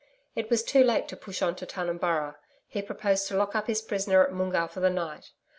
It was too late to push on to Tunumburra. He proposed to lock up his prisoner at Moongarr for the night.